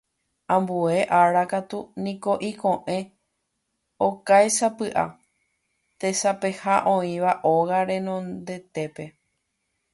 Ambue ára katu niko iko'ẽ okáisapy'a tesapeha oĩva óga renondetépe.